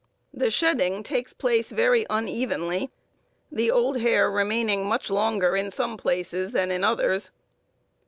The shedding takes place very unevenly, the old hair remaining much longer in some places than in others.